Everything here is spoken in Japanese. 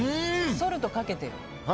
ソルトかけてよ。